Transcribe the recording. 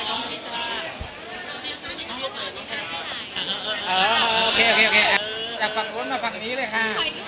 โอเคโอเคโอเคจากฝั่งนู้นมาฝั่งนี้เลยค่ะ